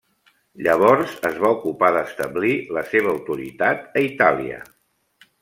Llavors es va ocupar d'establir la seva autoritat a Itàlia.